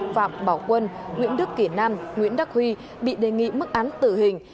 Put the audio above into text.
phạm bảo quân nguyễn đức kỷ nam nguyễn đắc huy bị đề nghị mức án tử hình